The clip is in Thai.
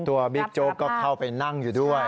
บิ๊กโจ๊กก็เข้าไปนั่งอยู่ด้วย